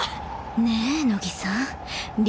⁉ねえ乃木さん理